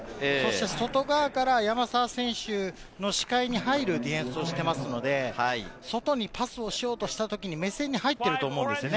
外側から山沢選手の視界に入るディフェンスをしていますので、外にパスをしようとした時に目線に入っていると思うんですよね。